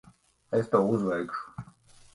Es to uzveikšu.